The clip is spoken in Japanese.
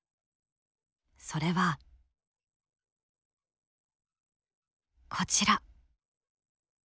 それはこちら。